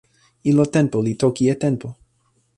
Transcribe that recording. ilo tenpo li toki e tenpo.